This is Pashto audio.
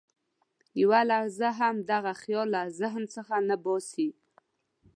یوه لحظه هم دغه خیال له ذهن څخه نه باسي.